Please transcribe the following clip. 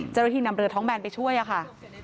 เจ้าหน้าที่นำเรือท้องแบนไปช่วยค่ะ